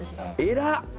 偉っ！